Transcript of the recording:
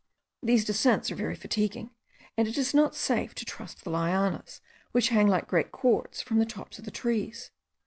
These descents are very fatiguing, and it is not safe to trust to the lianas, which hang like great cords from the tops of the trees.